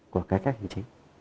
của các doanh nghiệp